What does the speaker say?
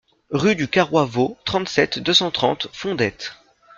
Rue du Carroi Vau, trente-sept, deux cent trente Fondettes